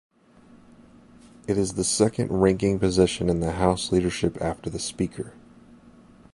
It is the second ranking position in the House Leadership after the Speaker.